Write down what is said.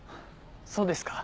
そうですか。